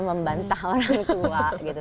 membantah orang tua gitu